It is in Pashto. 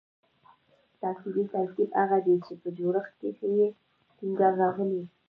تاکیدي ترکیب هغه دﺉ، چي په جوړښت کښي ئې ټینګار راغلی یي.